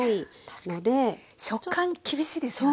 確かに食感厳しいですよね。